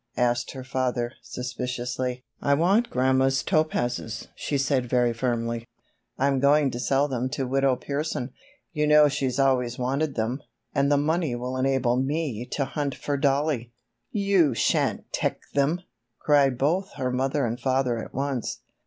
asked her father, suspiciously. "I want grandma's topazes," she said very firmly. "I am going to sell them to Widow Pearson; you know she always wanted them, and the money will enable me to hunt for Dollie!" "Yew sha'n't tech them!" cried both her mother and father at once.